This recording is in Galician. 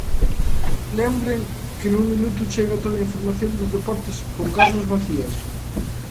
Lembren que nun minuto chega toda a información dos deportes con Carlos Macías.